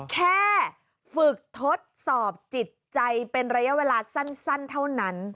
แค่ฝึกทดสอบจิตใจเป็นระยะเวลาสั้นเท่านั้น